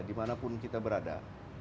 dimanapun kita berada